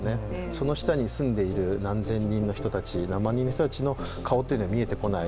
その下に住んでいる何千人の人たち何万人の人たちの顔というのは見えてこない、